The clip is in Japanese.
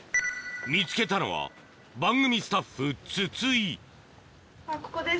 見つけたのは番組スタッフ筒井ここです。